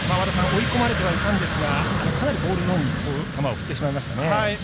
追い込まれてはいたんですがかなりボールゾーンにいく球を振ってしまいましたね。